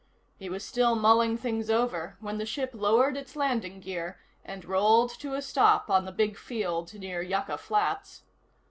He was still mulling things over when the ship lowered its landing gear and rolled to a stop on the big field near Yucca Flats.